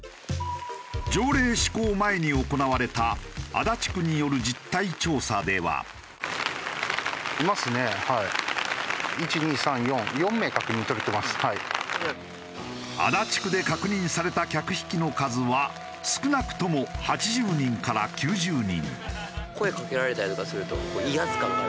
条例施行前に行われた足立区で確認された客引きの数は少なくとも８０人から９０人。